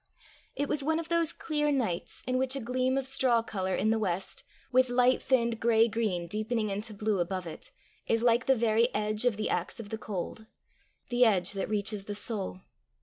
It was one of those clear nights in which a gleam of straw colour in the west, with light thinned gray green deepening into blue above it, is like the very edge of the axe of the cold the edge that reaches the soul.